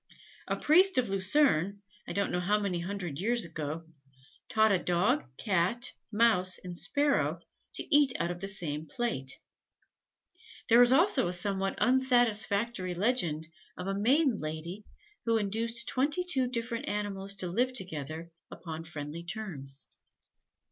A priest of Lucerne, I don't know how many hundred years ago, taught a Dog, Cat, Mouse and Sparrow, to eat out of the same plate. There is also a somewhat unsatisfactory legend of a maiden lady who induced twenty two different animals to live together upon friendly terms.